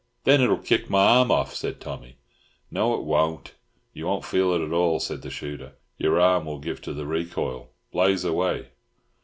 "Then it'll kick my arm off," said Tommy. "No, it won't; you won t feel it at all," said the shooter. "Your arm will give to the recoil. Blaze away!"